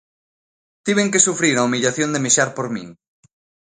Tiven que sufrir a humillación de mexar por min.